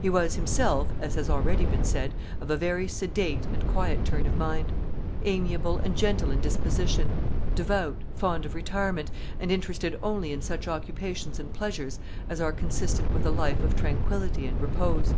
He was himself, as has already been said, of a very sedate and quiet turn of mind; amiable and gentle in disposition; devout, fond of retirement, and interested only in such occupations and pleasures as are consistent with a life of tranquillity and repose.